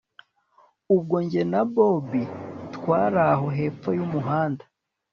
ubwo njye na bobi, twaraho hepfo yumuhanda